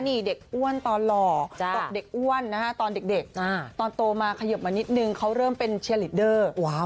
นี่เด็กอ้วนตอนหล่อตกเด็กอ้วนนะฮะตอนเด็กตอนโตมาขยบมานิดนึงเขาเริ่มเป็นเชียร์ลีดเดอร์